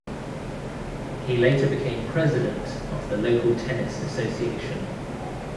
He later became president of the local tennis association.